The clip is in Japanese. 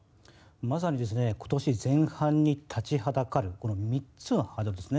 まさに今年前半に立ちはだかるこの３つのハードルですね。